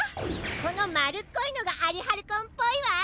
このまるっこいのがアリハルコンっぽいわ！